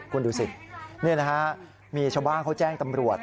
คุณดูสินี่นะฮะมีชาวบ้านเขาแจ้งตำรวจ